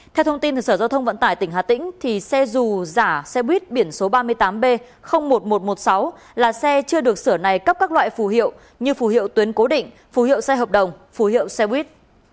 theo thông tin từ sở giao thông vận tải tỉnh hà tĩnh xe dù giả xe buýt biển số ba mươi tám b một nghìn một trăm một mươi sáu là xe chưa được sửa này cấp các loại phù hiệu như phù hiệu tuyến cố định phù hiệu xe hợp đồng phù hiệu xe buýt